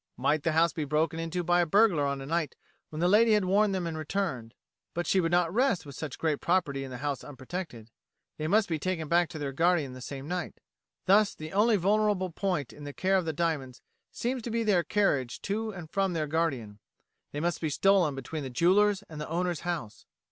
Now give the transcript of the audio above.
Might the house be broken into by a burglar on a night when a lady had worn them and returned? But she would not rest with such a great property in the house unprotected. They must be taken back to their guardian the same night. Thus the only vulnerable point in the care of the diamonds seems their carriage to and from their guardian. They must be stolen between the jeweller's and the owner's house.